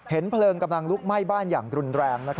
เพลิงกำลังลุกไหม้บ้านอย่างรุนแรง